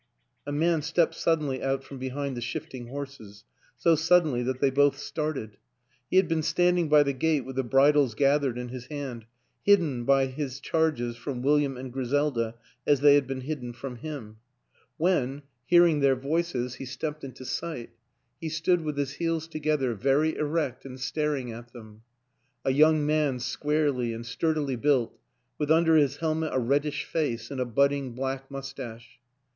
A man stepped suddenly out from behind the shifting horses so suddenly that they both started. He had been standing by the gate with the bridles gathered in his hand, hidden by his charges from William and Griselda as they had been hidden from him. When, hearing their 80 WILLIAM AN ENGLISHMAN voices, he stepped into sight, he stood with his heels together, very erect and staring at them a young man squarely and sturdily built, with under his helmet a reddish face and a budding black mustache.